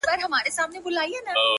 الوتني کوي;